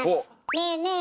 ねえねえ